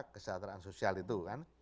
kesehatan sosial itu kan